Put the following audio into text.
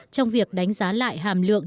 trong việc đánh giá lại hàm lượng